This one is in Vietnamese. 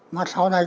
mà sau này